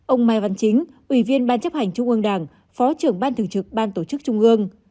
ông mai văn chính ủy viên ban chấp hành trung ương đảng phó trưởng ban thường trực ban tổ chức trung ương